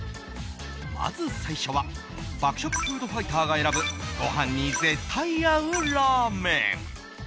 まず最初は爆食フードファイターが選ぶご飯に絶対合うラーメン。